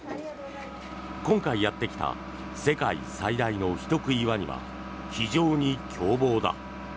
今回やってきた世界最大の人食いワニは非常に凶暴だ。